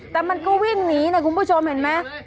แต่มันก็วิ่งหนีนะคุณผู้ชมเห็นไหม